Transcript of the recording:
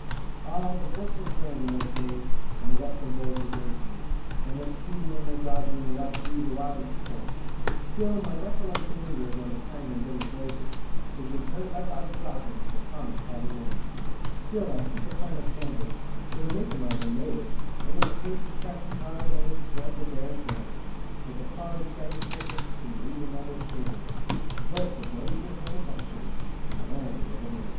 Ah, the bush was grand in those days, and the Western boys were daisies, And their scheming and their dodging would outdo the wildest print; Still my recollection lingers round the time when Billy Blazes Was returned by God Forgotten to the 'Commin Parlymint': Still I keep a sign of canvas 'twas a mate of mine that made it And its paint is cracked and powdered, and its threads are bare and thin, Yet upon its grimy surface you can read in letters faded: 'Vote for Blazes and Protection, and the Land you're livin' in.